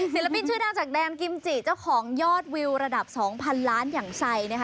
ศิลปินชื่อดังจากแดมกิมจิเจ้าของยอดวิวระดับ๒๐๐๐ล้านอย่างไซดนะคะ